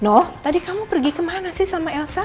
noh tadi kamu pergi kemana sih sama elsa